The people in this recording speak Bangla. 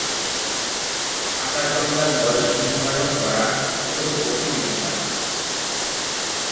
আকাশগঙ্গার বয়স নির্ধারণ করা অত্যন্ত কঠিন একটি কাজ।